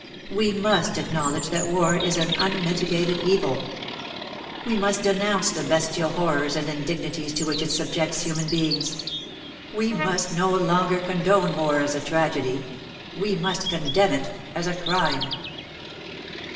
We must acknowledge that war is an unmitigated evil. We must denounce the bestial horrors and indignities to which it subjects human beings. We must no longer condone War as a tragedy, — we must condemn it as a Crime.